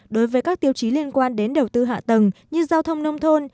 đối với các tiêu chí liên quan đến đầu tư hạ tầng như giao thông nông thôn